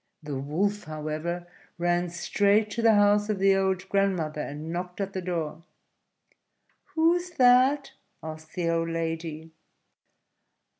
The Wolf, however, ran straight to the house of the old grandmother, and knocked at the door. "Who's that?" asked the old lady.